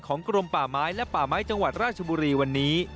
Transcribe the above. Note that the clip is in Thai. กรมป่าไม้และป่าไม้จังหวัดราชบุรีวันนี้